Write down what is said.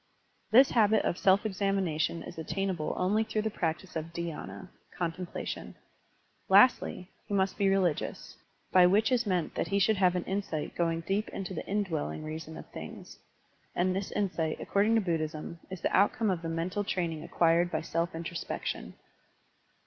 This habit of self examination is attainable only through the practice of dhydna, contemplation. Lastly, he must be religious, by which is meant that he should have an insight going deep into the indwelling reason of things, and this insight, according to Buddhism, is the 146 Digitized by Google PRACTICE OP DHYANA 1 47 outcome of the mental training acquired by self introspection.